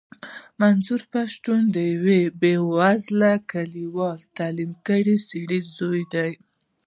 منظور پښتين د يوه بې وزلې کليوال تعليم کړي سړي زوی دی.